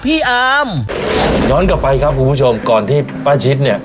อามย้อนกลับไปครับคุณผู้ชมก่อนที่ป้าชิดเนี่ย